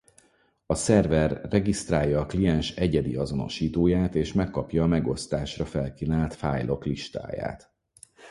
A szerver regisztrálja a kliens egyedi azonosítóját és megkapja a megosztásra felkínált fájlok listáját.